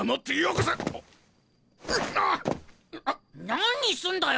何すんだよ！